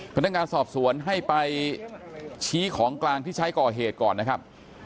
พนักงานสอบสวนให้ไปชี้ของกลางที่ใช้ก่อเหตุก่อนนะครับ